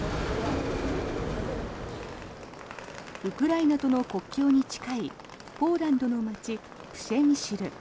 ウクライナとの国境に近いポーランドの街、プシェミシル。